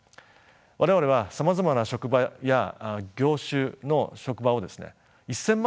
我々はさまざまな職場や業種の職場をですね１，０００万